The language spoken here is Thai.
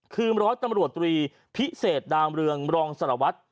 คือร้อยตำรวจตรีพิเศษดามเรืองรองสารวัตร